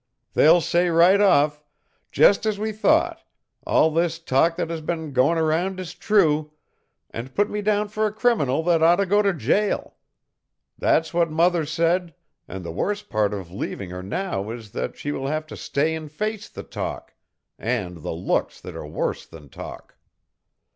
They'll say right off: 'Just as we thought! All this talk that has been going around is true,' and put me down for a criminal that ought to go to jail. That's what mother said, and the worst part of leaving her now is that she will have to stay and face the talk and the looks that are worse than talk.